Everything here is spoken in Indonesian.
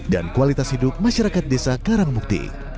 kualitas hidup masyarakat desa karangmukti